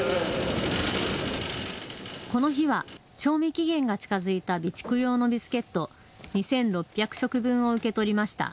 この日は賞味期限が近づいた備蓄用のビスケット、２６００食分を受け取りました。